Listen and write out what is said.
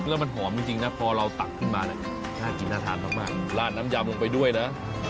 แล้วมันหอมจริงนะพอเราตักขึ้นมาเนี่ยน่ากินน่าทานมากลาดน้ำยำลงไปด้วยนะ